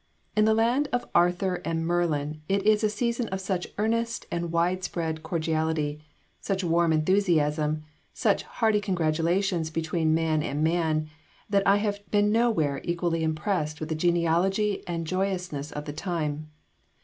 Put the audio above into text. In the land of Arthur and Merlin it is a season of such earnest and widespread cordiality, such warm enthusiasm, such hearty congratulations between man and man, that I have been nowhere equally impressed with the geniality and joyousness of the time.